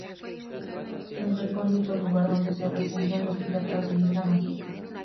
Un recóndito lugar donde se refugian los piratas de Isla Mágica.